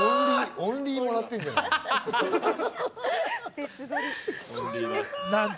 オンリーもらってんじゃない。